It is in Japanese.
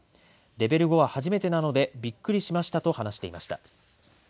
レベル５は初めてなのでびっくりしましたと話していました。